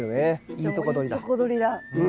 いいとこ取りだ。